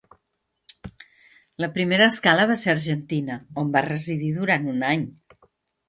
La primera escala va ser Argentina, on va residir durant un any.